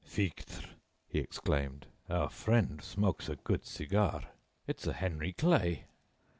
"Fichtre!" he exclaimed. "Our friend smokes a good cigar. It's a Henry Clay."